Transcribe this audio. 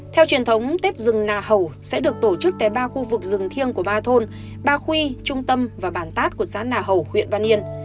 theo truyền thống tết rừng nà hầu sẽ được tổ chức tại ba khu vực rừng thiêng của ba thôn ba khuy trung tâm và bản tát của xã nà hẩu huyện văn yên